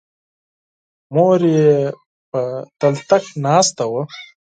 مور یې په بړستنه ناسته وه.